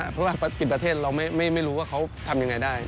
เพราะว่าปิดประเทศเราไม่รู้ว่าเขาทำยังไงได้